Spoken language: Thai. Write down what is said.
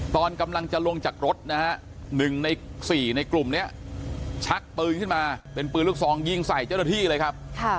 ตอนกำลังจะลงจากรถนะฮะ๑ใน๔ในกลุ่มนี้ชักปืนขึ้นมาเป็นปืนลูกซองยิงใส่เจ้าหน้าที่เลยครับ